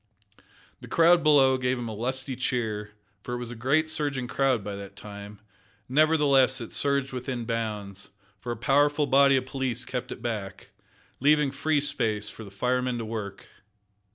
The crowd below gave him a lusty cheer, for it was a great surging crowd by that time; nevertheless it surged within bounds, for a powerful body of police kept it back, leaving free space for the firemen to work.